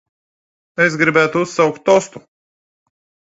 Es gribētu uzsaukt tostu.